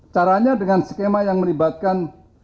caranya dengan skema yang melibatkan